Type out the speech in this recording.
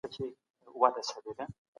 غوره لار دا ده چې ویښ پاتې شئ.